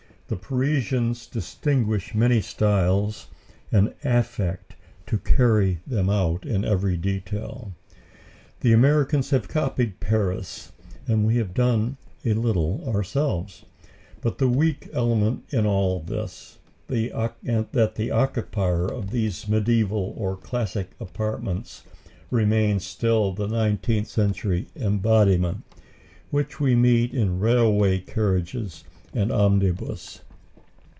The Parisians distinguish many styles and affect to carry them out in every detail. The Americans have copied Paris, and we have done a little ourselves. But the weak element in all this is, that the occupier of these mediæval or classic apartments remains still the nineteenth century embodiment, which we meet in railway carriage and omnibus.